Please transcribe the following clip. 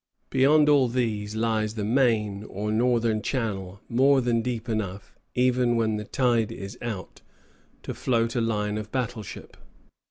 Beyond all these lies the main, or northern channel, more than deep enough, even when the tide is out, to float a line of battle ship.